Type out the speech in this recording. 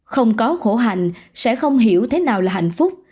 không có khổ hành sẽ không hiểu thế nào là hạnh phúc